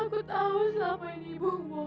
kalau gue kasih pinjem